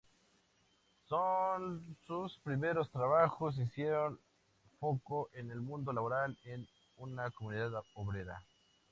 Sus primeros trabajos hicieron foco en el mundo laboral en una comunidad obrera.